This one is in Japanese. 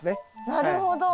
なるほど。